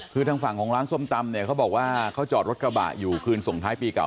คือทางฝั่งของร้านส้มตำเนี่ยเขาบอกว่าเขาจอดรถกระบะอยู่คืนส่งท้ายปีเก่า